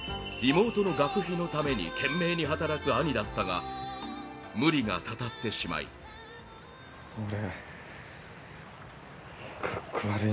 妹の学費のために懸命に働く兄だったが無理がたたってしまい洋太郎：